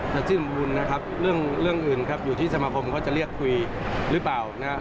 จะสิ้นบุญนะครับเรื่องอื่นครับอยู่ที่สมาคมเขาจะเรียกคุยหรือเปล่านะครับ